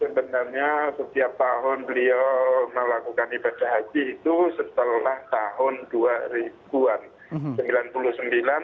sebenarnya setiap tahun beliau melakukan ibadah haji itu setelah tahun dua ribu an